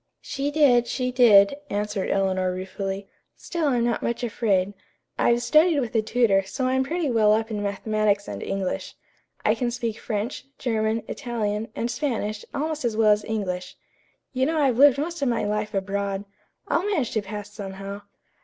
"She did, she did," answered Eleanor ruefully. "Still I'm not much afraid. I've studied with a tutor, so I'm pretty well up in mathematics and English. I can speak French, German, Italian and Spanish almost as well as English. You know I've lived most of my life abroad. I'll manage to pass somehow."